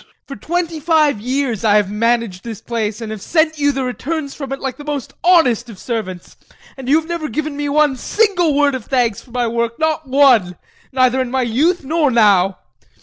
For twenty five years I have managed this place, and have sent you the returns from it like the most honest of servants, and you have never given me one single word of thanks for my work, not one neither in my youth nor now.